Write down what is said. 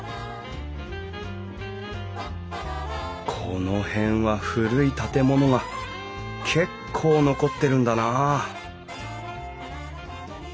この辺は古い建物が結構残ってるんだな